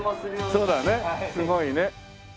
そうだよねすごいね。